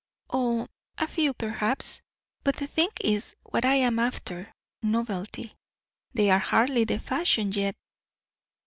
"O, a few, perhaps; but the thing is what I am after novelty; they are hardly the fashion yet."